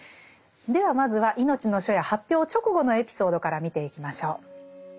ではまずは「いのちの初夜」発表直後のエピソードから見ていきましょう。